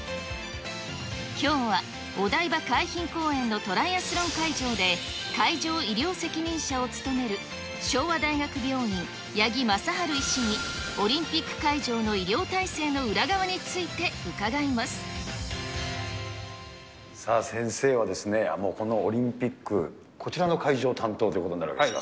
きょうは、お台場海浜公園のトライアスロン会場で、会場医療責任者を務める、昭和大学病院、八木正晴医師に、オリンピック会場の医療体制の裏さあ、先生はこのオリンピック、こちらの会場担当ということになるわけですか？